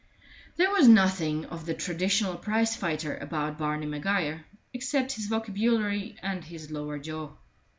There was nothing of the traditional prize fighter about Barney Maguire, except his vocabulary and his lower jaw.